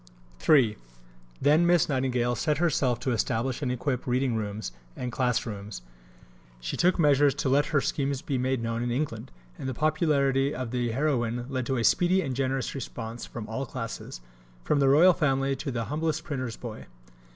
III Then Miss Nightingale set herself to establish and equip reading rooms and class rooms. She took measures to let her schemes be made known in England, and the popularity of the heroine led to a speedy and generous response from all classes from the Royal Family to the humblest printer's boy.